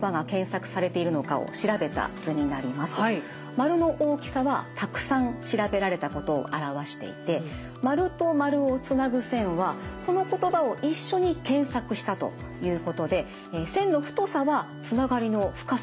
円の大きさはたくさん調べられたことを表していて円と円をつなぐ線はその言葉を一緒に検索したということで線の太さはつながりの深さを示しています。